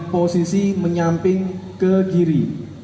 posisi menyamping ke kiri